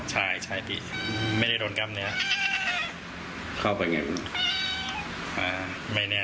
หมอกนี่หรือนี่